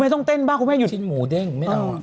ไม่ต้องเต้นบ้างคุณแม่ยูดเป็นนี้เนอะ